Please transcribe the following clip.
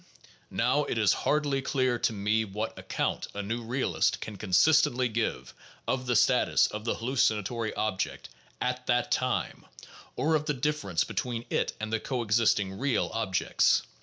Now, it is hardly clear to me what account a new realist can consistently give of the status of the hallucinatory object at that time, or of the difference between it and the coexisting "real" ob jects.